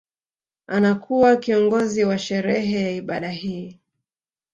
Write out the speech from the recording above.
Anakuwa kiongozi wa sherehe ya ibada hii